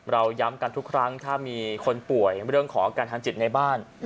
เราย้ำกันทุกครั้งถ้ามีคนป่วยเรื่องของอาการทางจิตในบ้าน